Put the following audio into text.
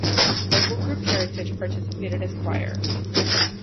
Vocal group Heritage participated as choir.